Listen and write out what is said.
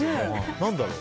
何だろう。